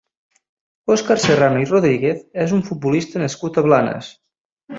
Òscar Serrano i Rodríguez és un futbolista nascut a Blanes.